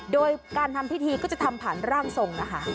โดยการทำพิธีก็จะทำผ่านร่างทรงนะคะ